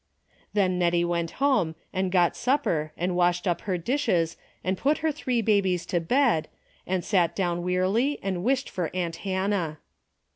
Then Hettie went home and got supper and washed up her dishes and put her three babies to bed, and sat down wearily and wished for aunt Hannah.